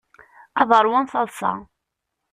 Ad ṛwun taḍṣa.